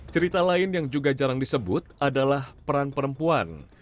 cerita lain yang juga jarang disebut adalah peran perempuan